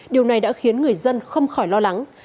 điều này đã khiến người dân không khỏi lo lắng